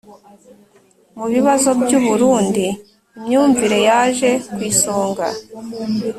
mu bibazo by u Burundi Imyumvire yaje ku isonga